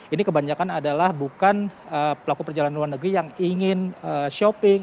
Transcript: ini kebanyakan adalah bukan pelaku perjalanan luar negeri yang ingin shopping